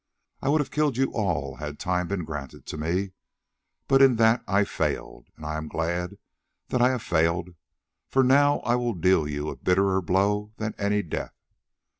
I would have killed you all had time been granted to me, but in that I failed, and I am glad that I have failed, for now I will deal you a bitterer blow than any death.